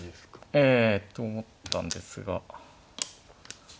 ええと思ったんですが。